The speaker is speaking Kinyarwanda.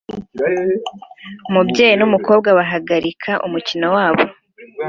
Umubyeyi numukobwa bahagarika umukino wabo